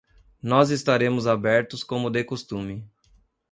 Nós estaremos abertos como de costume.